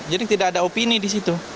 jadi tidak ada opini di situ